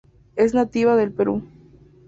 Es nativa del Perú.